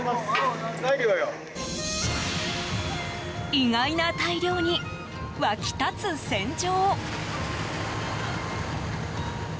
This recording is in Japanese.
意外な大漁に、沸き立つ船上！